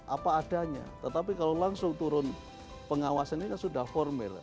apa adanya tetapi kalau langsung turun pengawasannya sudah formel